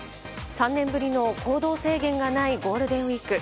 ３年ぶりの行動制限がないゴールデンウィーク。